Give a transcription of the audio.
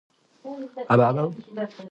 فعلي ترکیب د جملې مانا پوره کوي.